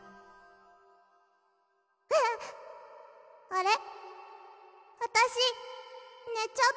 あれ？